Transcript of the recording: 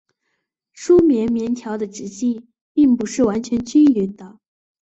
梳棉棉条的直径并不是完全均匀的。